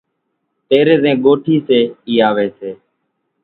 تيرين زين ڳوٺِي سي اِي آوي سي